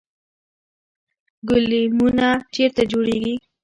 ګلیمونه چیرته جوړیږي؟